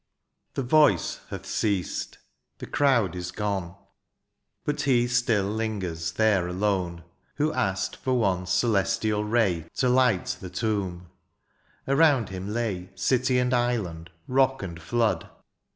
The voice hath ceased ; the crowd is gone; But he still lingers there alone. THE AREOPAGITE. 25 Who asked for one celestial ray To light the tomb. Around hun lay City and island^ rock and flood.